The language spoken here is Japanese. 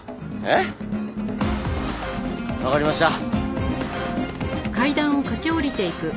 えっ？わかりました。